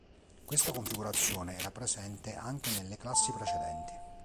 Questa configurazione era presente anche nelle classi precedenti.